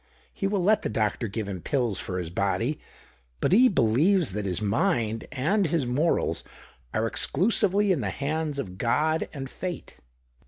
He will let the doctor give him pills for his body ; but he believes that his mind and his morals are exclusively in the hands of God and fate."